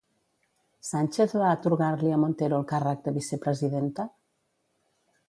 Sánchez va atorgar-li a Montero el càrrec de vice-presidenta?